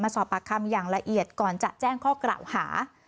สอบปากคำอย่างละเอียดก่อนจะแจ้งข้อกล่าวหา